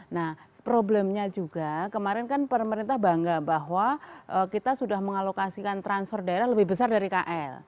nah problemnya juga kemarin kan pemerintah bangga bahwa kita sudah mengalokasikan transfer daerah lebih besar dari kl